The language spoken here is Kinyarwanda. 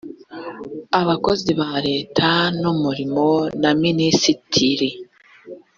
abakozi ba leta n umurimo na ministiri